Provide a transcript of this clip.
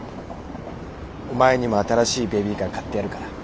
お前にも新しいベビーカー買ってやるから。